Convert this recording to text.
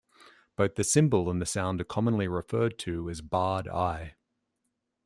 Both the symbol and the sound are commonly referred to as barred i.